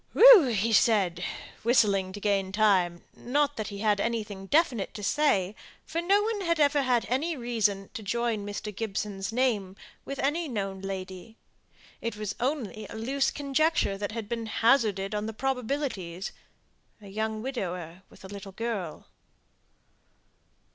"Whew," said he, whistling to gain time; not that he had anything definite to say, for no one had ever had any reason to join Mr. Gibson's name with any known lady: it was only a loose conjecture that had been hazarded on the probabilities a young widower, with a little girl.